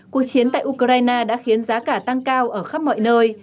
cuộc chiến tại ukraine đã khiến giá cả tăng cao ở khắp mọi nơi